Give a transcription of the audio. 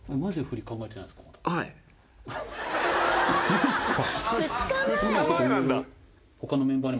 マジっすか？